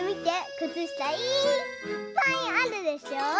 くつしたいっぱいあるでしょ。